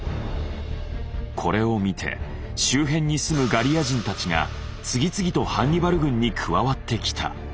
これを見て周辺に住むガリア人たちが次々とハンニバル軍に加わってきた。